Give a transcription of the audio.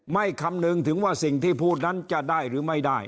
คำนึงถึงว่าสิ่งที่พูดนั้นจะได้หรือไม่ได้